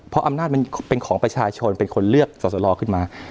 เพราะอำนาจมันเป็นของประชาชนเป็นคนเลือกสอสลอขึ้นมา